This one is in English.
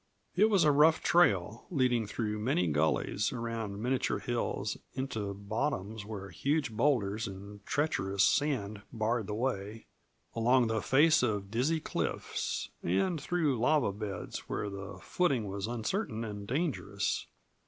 It was a rough trail, leading through many gullies, around miniature hills, into bottoms where huge boulders and treacherous sand barred the way, along the face of dizzy cliffs, and through lava beds where the footing was uncertain and dangerous.